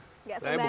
saya bukan orangnya